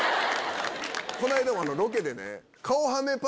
この間もロケでね。